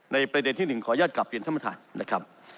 ในประเด็นที่๑ขออนุญาตกลับเป็นธรรมฐานนะครับ